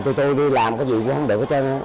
chúng tôi đi làm cái gì cũng không được hết trơn